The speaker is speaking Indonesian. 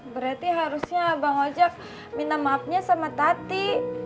berarti harusnya bang ojek minta maafnya sama tati